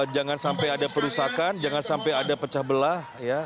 jangan sampai ada perusakan jangan sampai ada pecah belah